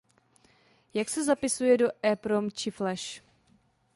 Jak se zapisuje do Eeprom či Flash?